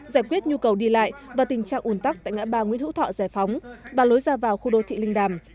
giải quyết nhu cầu đi lại và tình trạng ủn tắc tại ngã ba nguyễn hữu thọ giải phóng và lối ra vào khu đô thị linh đàm